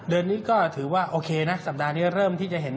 เดือนนี้ก็ถือว่าโอเคนะสัปดาห์นี้เริ่มที่จะเห็น